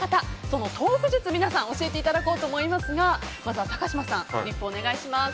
そのトーク術、皆さんに教えていただこうと思いますがまずは高嶋さん、お願いします。